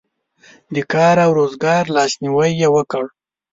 د کار او روزګار لاسنیوی یې وکړ.